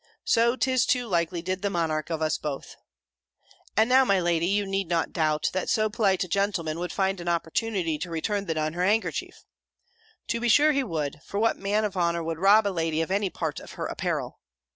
So, 'tis too likely did the monarch of us both. And now, my lady, you need not doubt, that so polite a gentleman would find an opportunity to return the Nun her handkerchief! To be sure he would: for what man of honour would rob a lady of any part of her apparel?